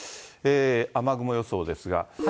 雨雲予想ですが。